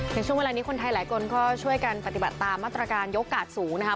ในช่วงเวลานี้คนไทยหลายคนก็ช่วยกันปฏิบัติตามมาตรการยกกาดสูงนะคะ